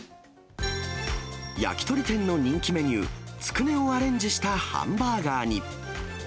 焼き鳥店の人気メニュー、つくねをアレンジしたハンバーガーに。